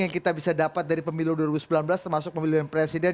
yang kita bisa dapat dari pemilu dua ribu sembilan belas termasuk pemilihan presiden